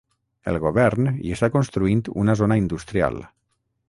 El govern hi està construint una zona industrial.